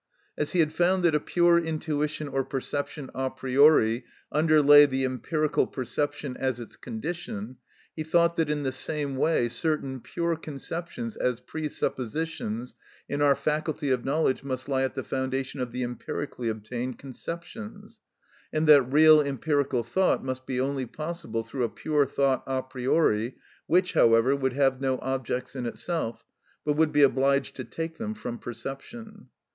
As he had found that a pure intuition or perception a priori underlay the empirical perception as its condition, he thought that in the same way certain pure conceptions as presuppositions in our faculty of knowledge must lie at the foundation of the empirically obtained conceptions, and that real empirical thought must be only possible through a pure thought a priori, which, however, would have no objects in itself, but would be obliged to take them from perception.